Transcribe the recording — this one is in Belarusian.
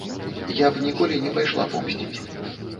Я б ніколі не пайшла помсціць.